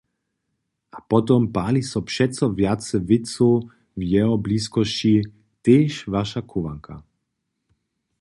A potom pali so přeco wjace wěcow w jeho bliskosći, tež waša chowanka!